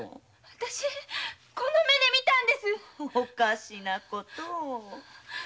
私この目で見たんですおかしなことを。